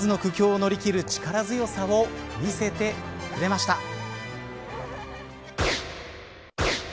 数々の苦境を乗り切る力強さを見せてくれました。